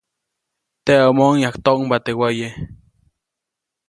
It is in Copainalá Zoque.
Teʼomoʼuŋ yajktoʼŋba teʼ waye.